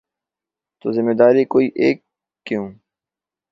تو ذمہ دار کوئی ایک کیوں؟